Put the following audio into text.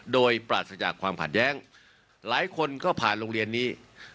โดยปราศจากความขัดแย้งหลายคนก็ผ่านโรงเรียนนี้